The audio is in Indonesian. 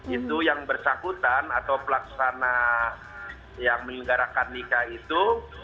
itu yang bersangkutan atau pelaksana yang menyelenggarakan nikah itu